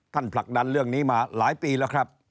ผลักดันเรื่องนี้มาหลายปีแล้วครับ